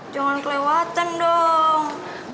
jangan kelewatan dong